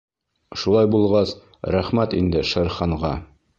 Шулай булғас, рәхмәт инде Шер Ханға.